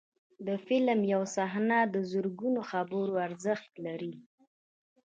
د فلم یو صحنه د زرګونو خبرو ارزښت لري.